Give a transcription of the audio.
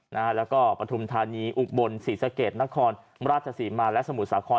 แล้วก็ปฐุมธานีอุบลศรีสะเกดนครราชศรีมาและสมุทรสาคร